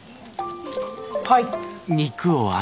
はい。